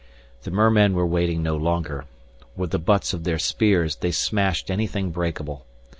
The mermen were waiting no longer. With the butts of their spears they smashed anything breakable.